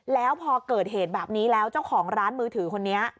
แล้วพอเกิดเหตุแบบนี้แล้วเจ้าของร้านมือถือคนนี้